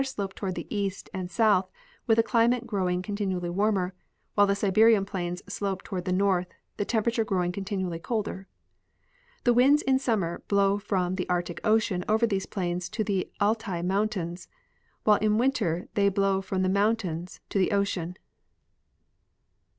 slope toward the east and south with a climate growing contin ually warmer, while the Siberian plains slope toward the north, the temperature growing continually colder. The winds in summer blow from the Arctic ocean over these plains to the Altai mountains, while in the winter they blow from the moun tains to the ocean.